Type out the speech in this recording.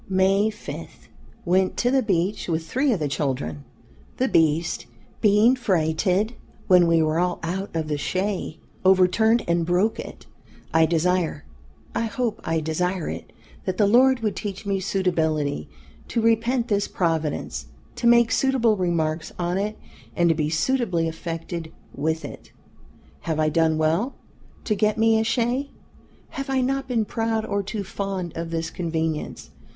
"May 5. Went to the Beach with three of the children. The Beast being frighted, when we were all out of the shay, overturned and broke it. I desire (I hope I desire it) that the Lord would teach me suitably to repent this Providence, to make suitable remarks on it, and to be suitably affected with it. Have I done well to get me a shay? Have I not been proud or too fond of this convenience?